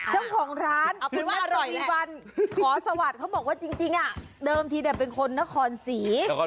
ช่องของร้านขอสวัสดิ์เขาบอกว่าจริงอ่ะเดิมทีแต่เป็นคนนครศรี